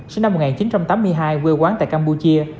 sinh năm một nghìn chín trăm tám mươi hai quê quán tại campuchia